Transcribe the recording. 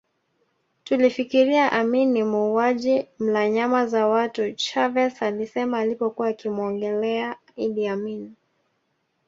Tulifikiria Amin ni muuaji mla nyama za watu Chavez alisema alipokuwa akimuongelea Idi Amin